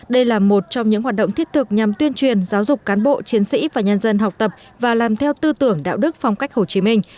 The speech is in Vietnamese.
đây là một trong những hoạt động thiết thực nhằm tuyên truyền giáo dục cán bộ chiến sĩ và nhân dân học tập và làm theo tư tưởng đạo đức phong cách hồ chí minh